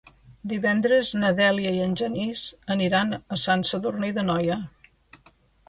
Divendres na Dèlia i en Genís aniran a Sant Sadurní d'Anoia.